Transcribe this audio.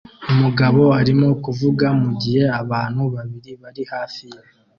Umugabo arimo kuvuga mugihe abantu babiri bari hafi ye